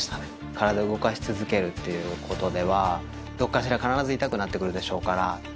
体動かし続けるっていうことでは、どこかしら必ず痛くなってくるでしょうから。